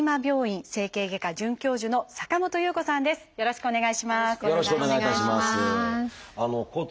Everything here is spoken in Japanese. よろしくお願いします。